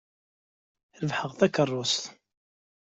Rebḥeɣ-d takeṛṛust.